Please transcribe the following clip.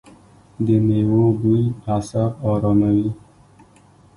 د میوو بوی اعصاب اراموي.